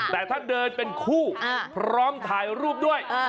แต่ถ้าเดินเป็นคู่พร้อมถ่ายรูปด้วย